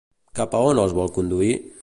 Cap a on els vol conduir?